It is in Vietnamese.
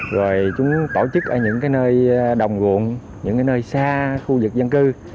rồi chúng tổ chức ở những nơi đồng gộm những nơi xa khu vực dân cư